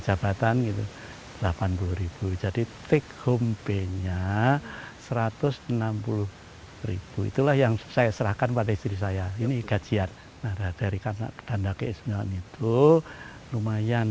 sebagian lain digunakan untuk menambah jumlah gaji para abdi tertinggi sekalipun nominalnya tidak sampai dua juta per bulan